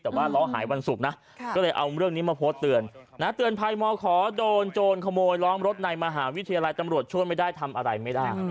แต่ว่าล้อหายวันศุกร์นะก็เลยเอาเรื่องนี้มาโพสต์เตือนนะเตือนภัยมขอโดนโจรขโมยล้อมรถในมหาวิทยาลัยตำรวจช่วยไม่ได้ทำอะไรไม่ได้